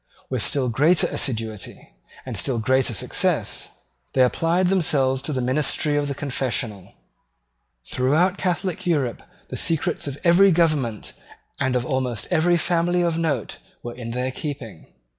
With still greater assiduity and still greater success they applied themselves to the ministry of the confessional. Throughout Catholic Europe the secrets of every government and of almost every family of note were in their keeping.